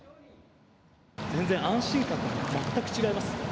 全然安心感が全く違います。